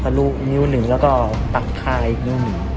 ลุนิ้วหนึ่งแล้วก็ปักคาอีกนิ้วหนึ่ง